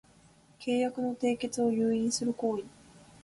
契約の締結を誘引する行為